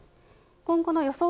今後の予想